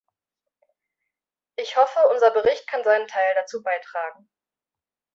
Ich hoffe, unser Bericht kann seinen Teil dazu beitragen.